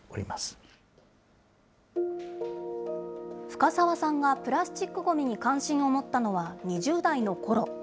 深澤さんがプラスチックごみに関心を持ったのは２０代のころ。